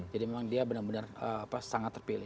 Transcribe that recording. jadi memang dia benar benar sangat terpilih